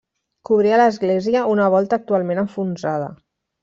Cobria l'església una volta actualment enfonsada.